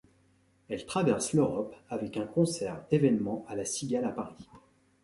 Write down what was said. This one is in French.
Elle traverse l'Europe avec un concert évènement à La Cigale à Paris.